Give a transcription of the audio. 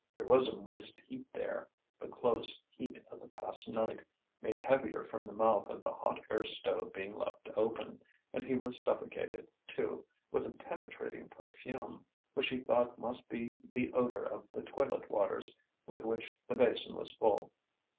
There was a moist heat there, the close heat of the past night, made heavier from the mouth of the hot air stove being left open; and he was suffocated, too, with a penetrating perfume, which he thought must be the odour of the toilet waters with which the basin was full.